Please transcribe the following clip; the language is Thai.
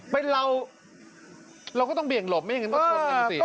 เป็นเราเราก็ต้องเบียงหลบเพราะไม่อยากเจอตัวคน